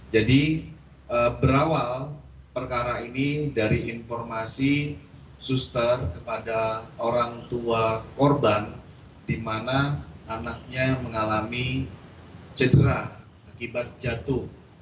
jadi berawal perkara ini dari informasi suster kepada orang tua korban di mana anaknya mengalami cedera akibat jatuh